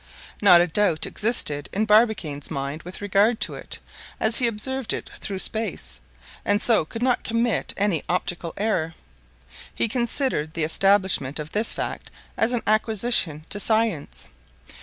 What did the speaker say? Not a doubt existed in Barbicane's mind with regard to it, as he observed it through space, and so could not commit any optical error. He considered the establishment of this fact as an acquisition to science.